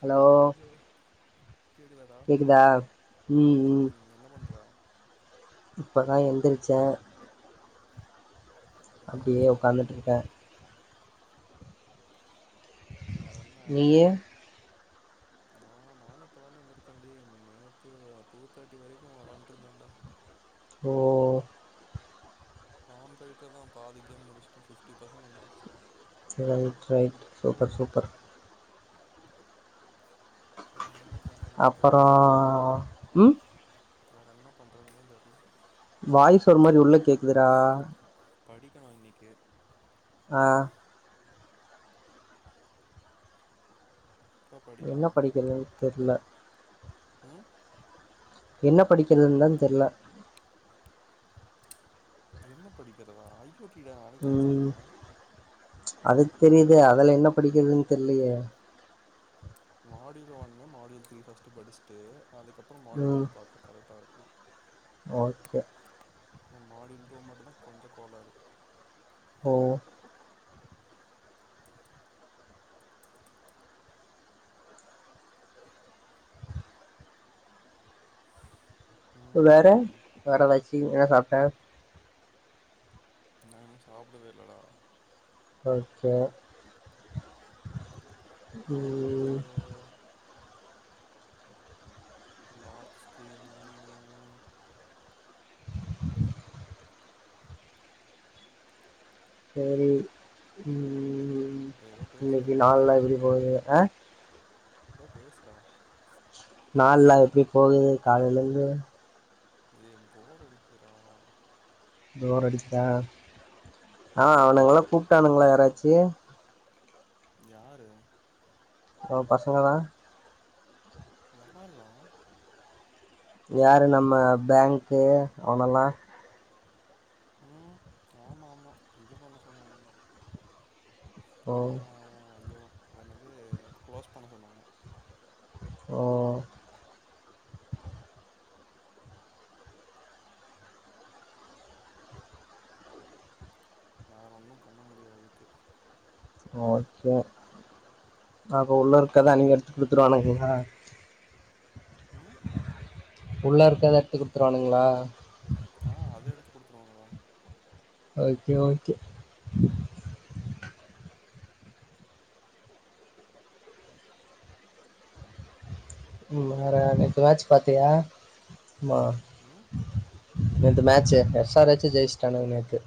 hello hello கேக்குதாடா கேக்குதா ம் ம் என்ன பண்ற இப்பதா எந்தி ச்ச ம் அப்டியே நா இப்பதா உக்காந்துட்ருக்க வேற என்ன நீயி ஆ நானு இப்பதாண்டா எந்திருச்ச டேய் நேத்து டூ தேட்டி வரைக்கு வெளாண்ட்டுருந்தன்டா ஓ டாம் ஃபைட்ருதா பாதி கேம் முடிஷ்ட்ட ஃபிஃப்டி பெசன்ட் வந்துருச்சி சே ரைட் ரைட் சூப்பர் சூப்பர் [unintelligible] அப்பறோ தெர்ல ம் வேற என்ன பண்ணறதுன்னே தெர்ல வாய்ஸ் ஒரு மாரி உள்ள கேக்குதுரா படிக்கணு இன்னைக்கி ஆ எப்ப படிக்கலா என்ன படிக்கிறதுன் தெர்ல ம் என்ன படிக்கிறதுன்தா தெர்ல என்ன படிக்கிறதா ஐ ஓ டி டா நாளைக்கு ம் எக்ஸாம்டா அதுக்கு தெரியுது அதுல என்ன படிக்கிறதுன் தெர்லயே மாடியூல் ஒன்னு மாடியூல் த்ரீ ஃபர்ஸ்ட்டு படிச்சுட்டு அதுக்கப்பறோ மாடியூல் ம் டூ பாத்து கரெக்ட்டா இருக்கு ஓகே மாடியூல் டு மட்டுந்தா கொஞ்சொ கோலாறு ஓ வேற ம் வேற எதாச்சு என்ன சாப்ட்ட நா இன்னு சாப்டவே இல்லடா ஓகே ம் வால்பேப்பரு லாக்ஸ்கிரீன் சரி ம் ம் ஏதோ பேசுறா இன்னைக்கு நாள்லா எப்டி போகுது ஆ ஏதோ பேசுறா நாள்லா எப்டி போகுது காலைலந்து ஏ போர் அடிக்குதுடா போர் அடிக்தா ஆ ம் அவனுங்கலா கூப்ட்டானுங்களா யாராச்சு யாரு ஒ பசங்க தா யார்ரா யாரு நம்ம பேங்க்கு அவனெல்லா ம் ஆமாமா இது பண்ண சொன்னாங்க ஓ என்னது க்ளோஸ் பண்ண சொன்னாங்க ஓ வேற ஒன்னு பண்ண முடியாது அதுக்கு ஓகே அப்போ உள்ள இருக்கதா நீங்க எடுத்து குடுத்துருவானுங்களா ம் உள்ள இருக்கத எட்த்து குடுத்துருவானுங்களா ஆ அது எடுத்து குடுத்துருவாங்கடா ஓகே ஓகே வேற எனக்கு வாச் பாத்தியா ம் நேத்து மேச் ச்ச எஸ் ஆர் எச் ஜெய்ச்சிட்டானுக நேத்து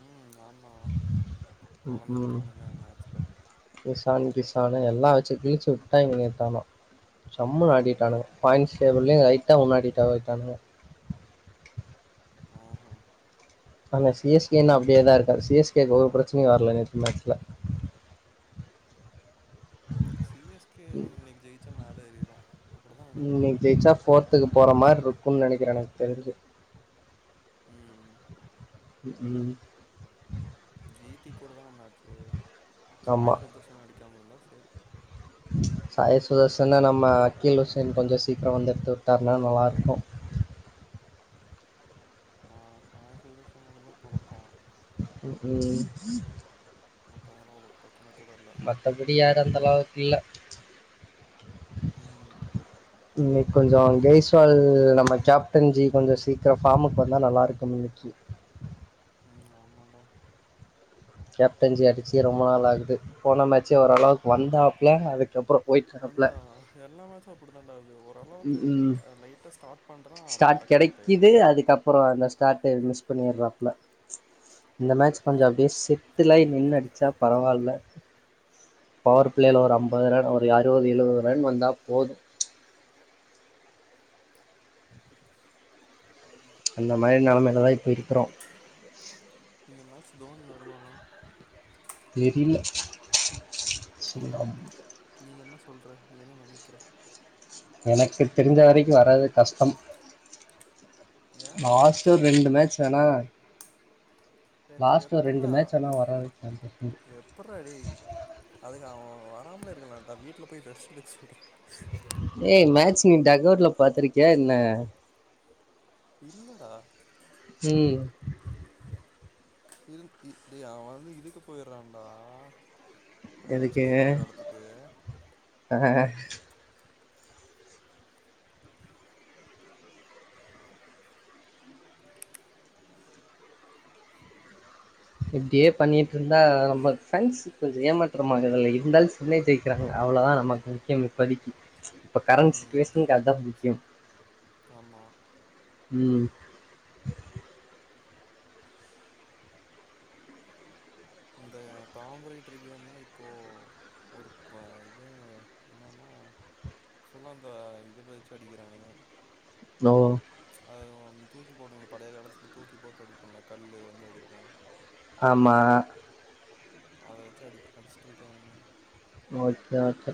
ம் ஆமா ம் ம் பொளந்துருக்கானுங்க மேட்ச்ல எசான் பீஸ் ஆனா எல்லா வச்சு கிழிச்சு விட்டாங்க நேத்து ஆனா சம்முன் ஆடிட்டானுங்க பாய்ண்ட்ஸ் டேபிள்ளயு ரைட்டா முன்னாடி தாவிட்டானுங்க ம் ஹூம் ஆனா சி எஸ் கே இன்னு அப்டியேதா இருக்கா சி எஸ் கேகு ஒரு பிரச்சனையு‌ வரல நேத்து மேச்சுல சி எஸ் கே இன்னைக்கு ஜெய்ச் மேல ஏறிறோ ம் இன்னிக்கு ஜெய்ச்சா போரத்துக் போற மார்ருக்கு நெனைக்கிற எனக்கு தெரிஞ்சு ம் ம் ம் டி டி கூட தான மேச்சு சாய் ஆமாம் சுதர்ஷன் அடிக்காம இருந்தா செரி சாய சுதர்சனா நம்ம அக்கீல் உஷன் கொஞ்சோ சீக்கிரோ வந்து எடுத்து வுட்டாருன்னா நல்லாருக்கு ஆ [unintelligible] பொழப்பா உம் ம் உம் மத்தவங்களோட மத்தபடி யார் அந்த அளவுக் இல்ல ம் நீ கொஞ்சோ அங்கேய் சோ அது நம்ம கேப்டன்ஜி கொஞ்சோ சீக்கிரோ ஃபார்முக்கு வந்தா நல்லா இருக்கும் இன்னிக்கி உம் ஆமாடா கேப்டன்ஜி அடிச்சு ரொம்ப நாள் ஆகுது போன மேட்சே ஓரளவுக்கு வந்தாப்ல அதுக்கப்றோ அதா எல்லா மேச்சும் அப்புடிதாண்டா ஆகுது ஒர் உம் ம் அப்ப ஸ்டாட் டக்குனு அவுட் ஆயிட்றா கெடக்கிது அதுக்கப்பறோ அந்த ஸ்டாட் மிஸ் பண்ணிர்ரா ல இந்த மேட்ச கொஞ்சோ அப்டியே செட்டுலா நின்னு அடிச்சா பரவால்ல பவர் ஃப்ளேல ஒரு ஐம்பது ரன் ஒரு அறுவது எழுவது ரன் வந்தா போது அந்த மாரி நெலமெலதா இப்ப இருக்கோ இந்த மேட்ச் தோனி வருவானா தெரில சொல்லாம் நீ என்ன சொல்ற நீ என்ன நெனக்கிற எனக்கு தெரிஞ்ச வரைக்கு வராது கஷ்டம் ஏ லாஸ்டு ஒரு ரெண்டு ஃமேட்ச் வேனா எ லாஸ்டு ரெண்டு எப்புட்றா ஃமேட்வேனா வராது எப்புட்றா டேய் அதுக்கு அவ வராமலே இருக்கலான்டா வீட்ல போய் ரெஸ்ட் எடுக்க சொல்ற ஏய் மேட்ச் நீ டக்கவுட்ல பாத்துருக்கியா என்ன இல்லடா உம் இருந் இ இ அவன் வந்து இதுக்கு போயிறான்டா எதுக்கு ஆ அ இப்டியே பண்ணிட்டு இருந்தா நம்ம [unintelligible] கொஞ்சோ ஏமாத்துர [unintelligible] இருந்தால் சென்னை ஜெயிக்கிறாங்க அவ்ளோதா நமக்கு முக்கியம் இப்பதிக்கி இப்ப கரண்ட் சட்சுவேஷனுக்கு அதுதா முக்கியம் ஆமா உம் இந்த டாம் ரைடர் கேம்ல இப்போ ஒரு இது என்னன்னா ஃபுல்லா அந்த இது வெச்சு அடிக்கிறானுங்க ஓ அது ஓன் தூக்கி போட்டுங்க பழய காலத்துல தூக்கி போட்டு அடிப்போல கல்லு வந்து அடிப்போ ஆமா அத வெச்சு அடி அடிச்சிட்டு இருக்கானுக ஓகே ஓகே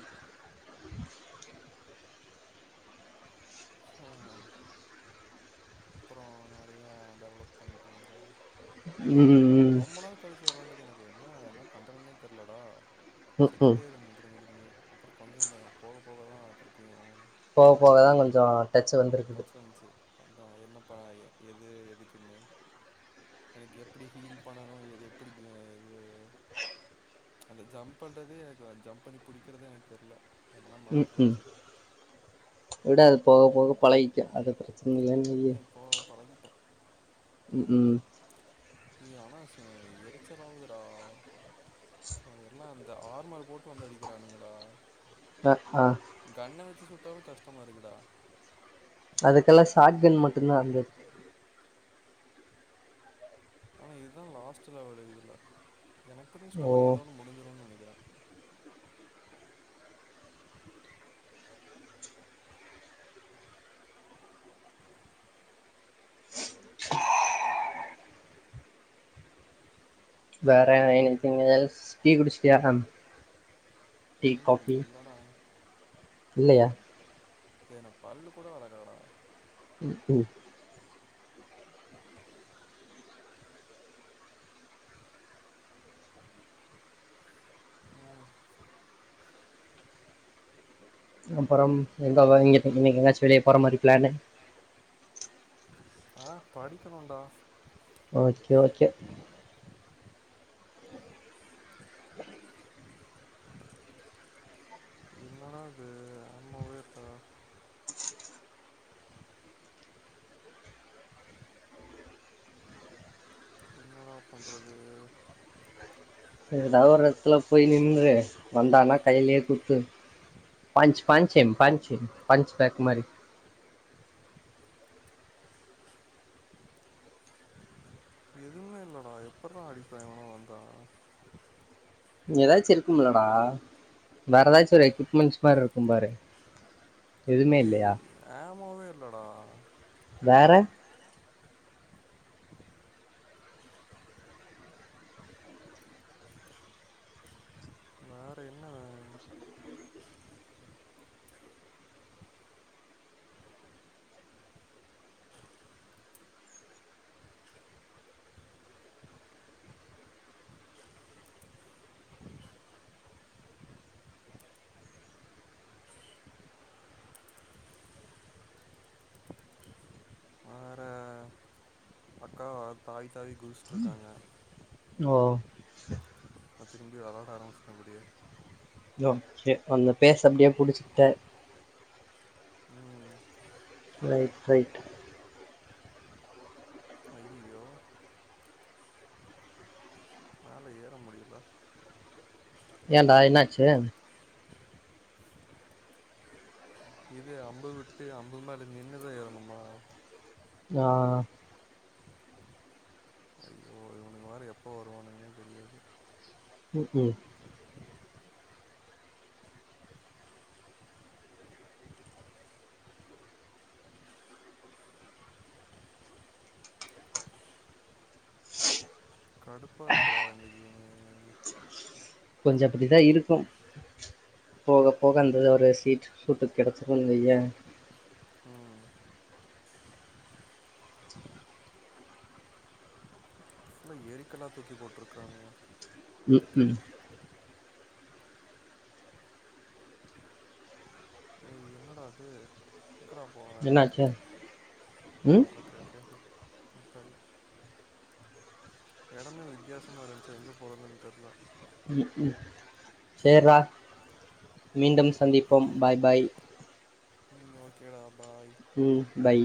ஆ அப்புறோ நெறய டெவலப் பண்டாங்க ம் ம் ரொம்ப நாள் கழிச்சு வரவேன்டிதுதான இப்ப என்ன என்ன பண்றன்னே தெரிலடா ம் ம் செத்துட்டே இருந்த திரும்ப திரும்ப அப்புறோ கொஞ்சோ போக போக தா திருப்பியு போக போ தா கொஞ் கொஞ்சோ டச் வந்துருக்குது அதா என்ன பா எ எது எதுக்குன்னு எனக்கு எப்புடி ஹீல் பண்ணணு எது எப்புடி க எது அந்த ஜம்ப் பண்றது எனக்கு ஜம்ப் பண்ணி புடிக்குறத எனக்கு தெர்ல எல்லா மறந்து ம் ம் போச்சு விடு அது போக போக பழகிக்கோ அது இல்லன்னு அப்ப வையி இப்போ பழகிட்டா ம் க்கு இ ஆனா ச எரிச்சலாவுதுடா அ எல்லா இந்த ஆர்மர் போட்டு வந்து அடிக்கிறானுங்கடா ஆ ஆ கன்ன வெச்சு சுட் இப்பவு கஷ்டமா இருக்குடா அதுக்கெல்லா சார்ஜன் மட்டுந்தா வந்துர்க்கு ஆனா இதா லாஸ்ட்டு லெவலு இதுல எனக் தெரிஞ் ஓ ஸ்டோரி இதோட முடிஞ்சுருன் நெனை கிற வேற எனிதிங் எல்ஸ் டீ குடிஸ்ட்டியா டீ ம் காஃபி இல்லடா இல்லயா ஏ நா பல்லு கூட வெளகலடா ம் க்கு அப்புறம் எந்த வழி எத்தன மணிக்கு எதாச்சு வெளிய போற மாரி பிளானு ஆ படிக்கணோடா ஓகே ஓகே என்னடா அது நம்மோ உயிர்டா என்னடா பண்றது எங்குட்டாது ஒர் எடத்துல போய் நின்று வந்தானா கைலே குத்து பஞ்ச் பஞ்சிம் பஞ்சிம் பஞ்ச் பேக் மாரி எதுமே இல்லடா எப்பிட்றா அடிப்பே எவனோ வந்தா எதாச்சு இருக்குமுலடா வேற எதாச்சு ஒரு எக்யூப்மெண்ட்ஸ் மாறிருக்கும் பாரு எதுவுமே ஏய் இல்லையா ஆம் மாவே இல்லடா வேற வேற என்ன வேற அக்காவா தாவி தாவி குதிஸ்ட்ருக்காங்க ஓ அ திரும்பி வெளாட ஆரம்மிஸ்ட்ட அப்புடியே யோக்கே அந்த பேஸ் அப்டியே புடிச்சுக்டே ம் ரைட் ரைட் ஐயய்யோ மேல ஏற முடியில ஏன்டா என்னாச்சு இது அம்பு விட்டு அம்பு மேல நின்னுதா ஏறணுமா ஆ ஐயோ இவனுங்க வேற எப்போ வருவானுங்குன்னே தெரியாது ம் ம் கடுப்பா இருக்குடா [unintelligible] கொஞ்சோ அப்புடிதா இருக்கும் போக போக அந்த ஒரு சீட் சூட்டுக் கெடச்சிருன் வெய்யே ம் ஃபுல்லா ஏரிக்கல்லா தூக்கி போட்ருக்குறானுங்க ம் ம் ஏ என்னடா அது க்கடா போவே நானு என்னாச்சு ம் ஓகே ஓகே கு [inaudible] எடமே வித்தியாசமா இருந்த்ச்சு எங்க போறதுன் தெர்ல ம் ம் சேர்ரா மீண்டும் ஸ் சந்திப்போம் ம் பாய் பாய் கே டா ம் பை